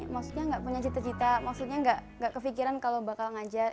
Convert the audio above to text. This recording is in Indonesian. maksudnya nggak punya cita cita maksudnya gak kefikiran kalau bakal ngajar